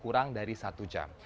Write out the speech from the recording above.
kurang dari satu jam